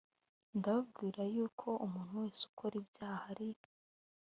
ndababwira yuko umuntu wese ukora ibyaha ari